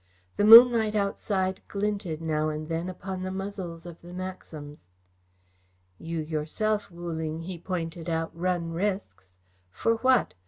The moonlight outside glinted now and then upon the muzzles of the Maxims. "You yourself, Wu Ling," he pointed out, "run risks. For what?